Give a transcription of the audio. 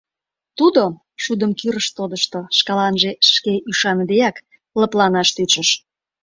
Тудо, шудым кӱрышт тодышто, шкаланже шке ӱшаныдеак лыпланаш тӧчыш.